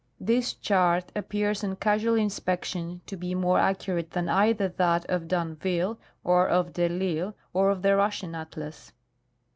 This chart appears on casual inspection to be more accurate than either that of d'Anville or of de I'lsle, or of the Russian atlas.